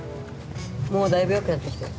もうだいぶよくなってきたよ。